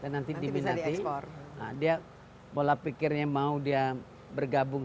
nanti diminati dia pola pikirnya mau dia bergabung